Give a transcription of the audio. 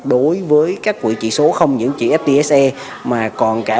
đối với các quỹ chỉ số không những chỉ ftse